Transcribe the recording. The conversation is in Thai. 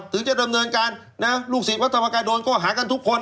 ถึงจะดำเนินการลูกศิษย์วัฒนภกรรณ์โดนก็หากันทุกคน